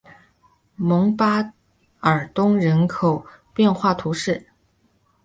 蒙巴尔东人口变化图示